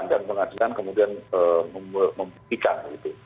dan pengajian kemudian memperhatikan